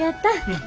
うん。